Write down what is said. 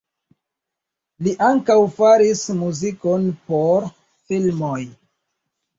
Li ankaŭ faris muzikon por filmoj.